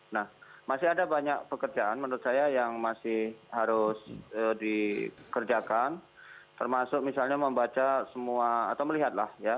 nah masih ada banyak pekerjaan menurut saya yang masih harus dikerjakan termasuk misalnya membaca semua atau melihatlah ya